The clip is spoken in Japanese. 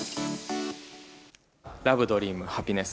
ラブ、ドリーム、ハピネス。